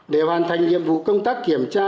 để hoàn thành nhiệm vụ công tác kiểm tra